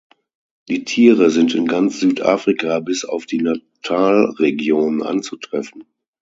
Die Tiere sind in ganz Südafrika bis auf die Natal-Region anzutreffen.